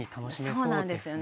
そうなんですよね。